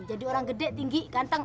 jadi orang gede tinggi ganteng